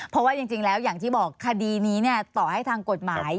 เพราะว่าจริงแล้วอย่างที่บอกคดีนี้ต่อให้ทางกฎหมาย